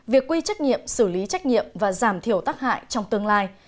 việc quy trách nhiệm xử lý trách nhiệm và giảm thiểu tác hại trong tương lai